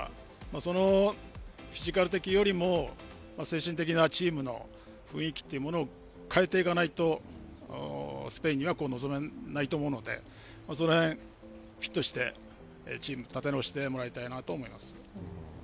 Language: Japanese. そのフィジカル的よりも、精神的なチームの雰囲気というものを変えていかないとスペインには臨めないと思うので、その辺、フィットしてチームを立て直してもらいたいなと思います。